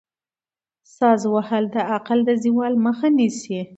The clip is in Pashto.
ساز وهل د عقل د زوال مخه نیسي.